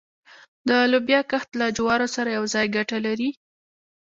د لوبیا کښت له جوارو سره یوځای ګټه لري؟